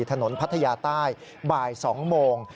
พัทยาใต้บ่าย๒โมง